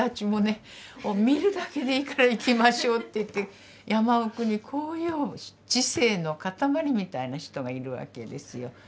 「もう見るだけでいいから行きましょう」って言って山奥にこういう知性の塊みたいな人がいるわけですよ。